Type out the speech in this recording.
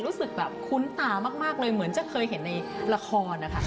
รู้สึกแบบคุ้นตามากเลยเหมือนจะเคยเห็นในละครนะคะ